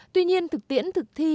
tuy nhiên thực tiễn thực thi